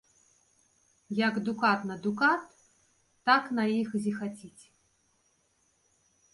Як дукат на дукат, так на іх зіхаціць.